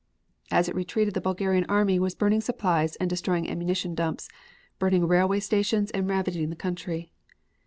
As it retreated the Bulgarian army was burning supplies and destroying ammunition dumps, burning railway stations and ravaging the country.